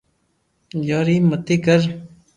يار ايم متي ڪر